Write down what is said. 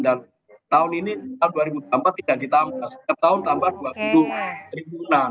dan tahun ini tahun dua ribu empat belas tidak ditambah setiap tahun tambah dua puluh triliunan